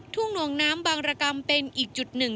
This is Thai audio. หน่วงน้ำบางรกรรมเป็นอีกจุดหนึ่ง